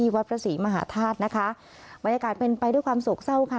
สนที่วัดภาษีมหาธาตุนะคะบรรยากาศเป็นไปด้วยความสกเจ้าค่ะ